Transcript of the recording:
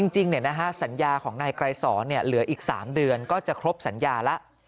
จริงสัญญาของนายไกรสอนเหลืออีก๓เดือนก็จะครบสัญญาแล้ว